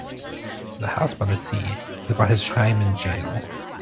"The House by the Sea" is about his time in jail.